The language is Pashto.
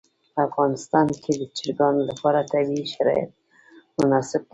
په افغانستان کې د چرګان لپاره طبیعي شرایط مناسب دي.